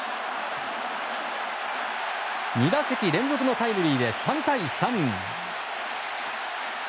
２打席連続のタイムリーで３対３。